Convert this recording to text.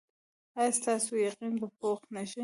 ایا ستاسو یقین به پوخ نه شي؟